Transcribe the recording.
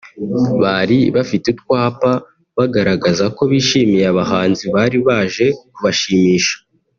bari bafite utwapa bagaragaza ko bishimiye abahanzi bari baje kubashimisha